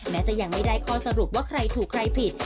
แม้จะยังไม่ได้ข้อสรุปว่าใครถูกใครผิด